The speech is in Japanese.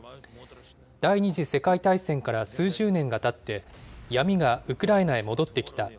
第２次世界大戦から数十年がたって、闇がウクライナへ戻ってきた。